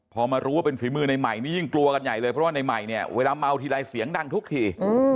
พอมารู้ว่าเป็นฝีมือในใหม่นี้ยิ่งกลัวกันใหญ่เลยเพราะว่าในใหม่เนี่ยเวลาเมาทีไรเสียงดังทุกที